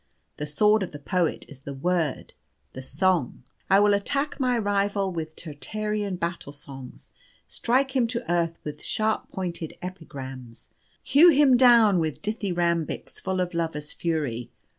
The sword of the poet is the word the song. I will attack my rival with Tyrtæan battle songs; strike him to earth with sharp pointed epigrams; hew him down with dithyrambics full of lover's fury.